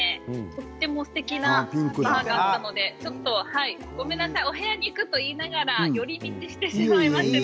とてもすてきなバーがあるのでごめんなさいお部屋に行くと言いながら寄り道してしまいました。